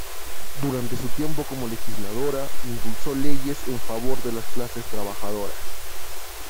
Durante su tiempo como legisladora impulsó leyes en favor de las clases trabajadoras.